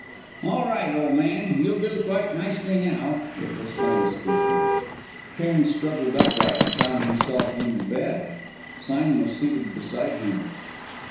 "All right, old man you'll do quite nicely now." It was Sime speaking. Cairn struggled upright ... and found himself in bed! Sime was seated beside him.